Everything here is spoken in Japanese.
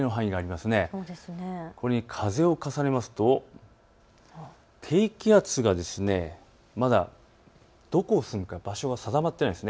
このように、ここに風を重ねますと低気圧がまたどこ進むか場所が定まっていないんです。